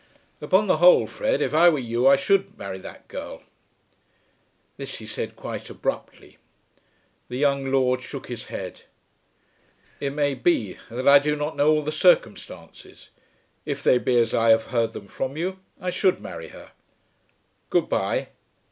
"Upon the whole, Fred, if I were you I should marry that girl." This he said quite abruptly. The young lord shook his head. "It may be that I do not know all the circumstances. If they be as I have heard them from you, I should marry her. Good bye.